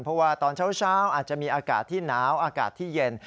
เพราะว่าตอนเช้าอาจจะมีอากาศที่หนาวอากาศที่เย็น